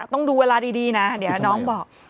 ต้องดูเวลาดีนะเดี๋ยวน้องบอก